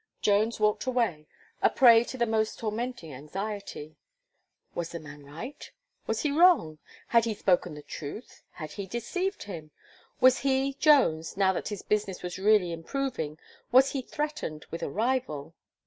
Jones walked away, a prey to the most tormenting anxiety. Was the man right was he wrong? had he spoken the truth? had he deceived him? Was he, Jones, now that his business was really improving, was he threatened with a rival?